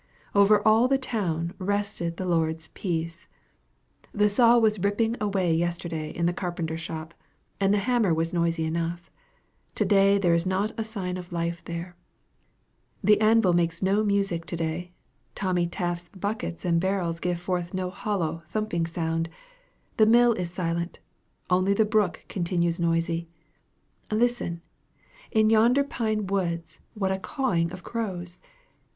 Over all the town rested the Lord's peace! The saw was ripping away yesterday in the carpenter's shop, and the hammer was noisy enough. Today there is not a sign of life there. The anvil makes no music to day. Tommy Taft's buckets and barrels give forth no hollow, thumping sound. The mill is silent only the brook continues noisy. Listen! In yonder pine woods what a cawing of crows!